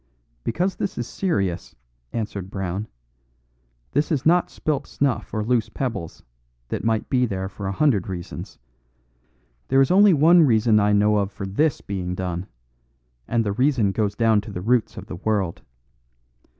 "Because this is serious," answered Brown; "this is not spilt snuff or loose pebbles, that might be there for a hundred reasons. There is only one reason I know of for this being done; and the reason goes down to the roots of the world.